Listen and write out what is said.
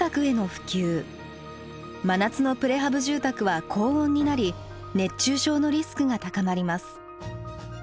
真夏のプレハブ住宅は高温になり熱中症のリスクが高まります。